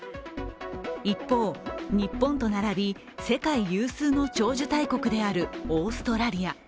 一方、日本と並び世界有数の長寿大国であるオーストラリア。